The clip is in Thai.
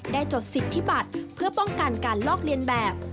จดสิทธิบัตรเพื่อป้องกันการลอกเลียนแบบ